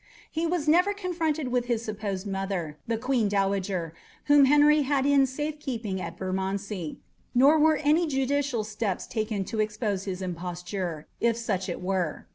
He was never confronted with his supposed mother, the Queen Dowager, whom Henry had in safe keeping at Bermondsey, nor were any judicial steps taken to expose his imposture, if such it were.